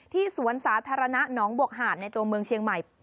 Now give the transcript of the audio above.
สวนสาธารณะหนองบวกหาดในตัวเมืองเชียงใหม่